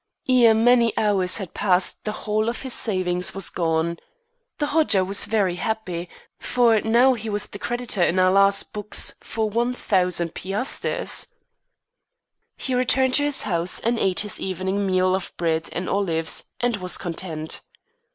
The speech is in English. Ere many hours had passed the whole of his savings was gone. The Hodja was very happy; for now he was the creditor in Allah's books for one thousand piasters. He returned to his house and ate his evening meal of bread and olives, and was content.